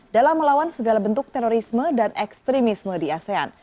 dalam melawan segala bentuk terorisme dan ekstremisme di asean